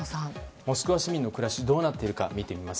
モスクワ市民の暮らしどうなっているのか見ていきます。